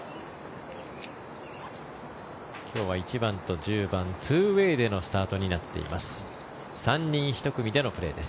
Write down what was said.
今日は１番と１０番ツーウェーでのスタートとなっています。